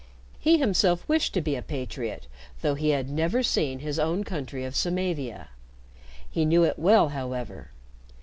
He himself wished to be a patriot, though he had never seen his own country of Samavia. He knew it well, however.